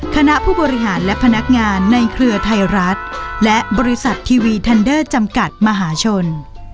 คณะผู้บริหารและพนักงานในเครือไทยรัฐและบริษัททีวีทันเดอร์จำกัดมหาชน